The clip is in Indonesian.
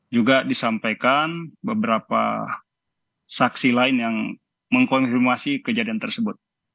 juga disampaikan beberapa saksi lain yang mengkonfirmasi kejadian tersebut